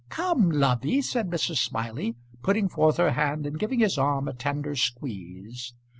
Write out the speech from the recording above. "Come, lovey," said Mrs. Smiley, putting forth her hand and giving his arm a tender squeeze.